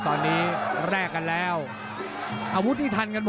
เผดพลานส์ที่๑๐๐ซักที